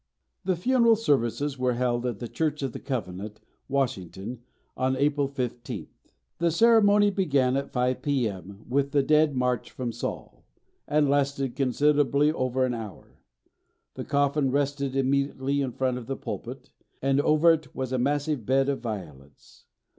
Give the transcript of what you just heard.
The funeral services were held at the Church of the Covenant, Washington, on April 15th. The ceremony began at 5 p.m., with the "Dead March from Saul," and lasted considerably over an hour. The coffin rested immediately in front of the pulpit, and over it was a massive bed of violets.